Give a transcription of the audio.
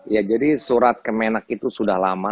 ya jadi surat kemenak itu sudah lama